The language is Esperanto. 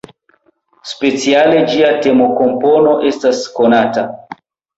Speciale ĝia temokompono estas konata.